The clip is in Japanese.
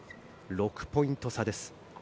６ポイント差です。